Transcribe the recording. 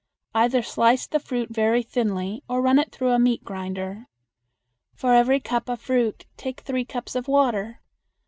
Either slice the fruit very thinly or run it through a meat grinder. For every cup of fruit take three cups of water.